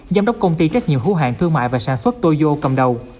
giám đốc công ty trách nhiệm hữu hạn thương mại và sản xuất toyo cầm đầu